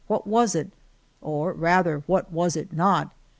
What was it? or, rather. iW; ^A V what was it not